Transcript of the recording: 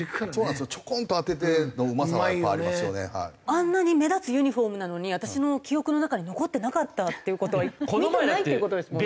あんなに目立つユニホームなのに私の記憶の中に残ってなかったっていう事は見てないって事ですもんね。